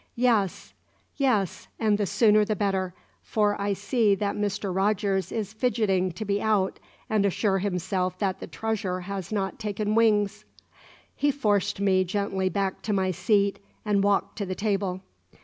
Yes, yes, and the sooner the better, for I see that Mr. Rogers is fidgeting to be out and assure himself that the treasure has not taken wings." He forced me gently back to my seat, and walked to the table.